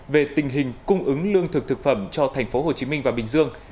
về tình hình cung ứng lương thực thực phẩm cho tp hcm và bình dương